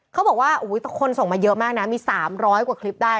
เขาบอกว่าคนส่งมาเยอะมากนะมี๓๐๐กว่าคลิปได้